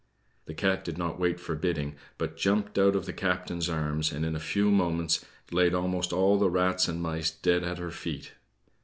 The cat did not wait for bidding, but jumped out of the captain's arm, and in a few moments laid almost all the rats and mice dead at her feet.